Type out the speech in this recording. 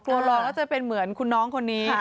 รอแล้วจะเป็นเหมือนคุณน้องคนนี้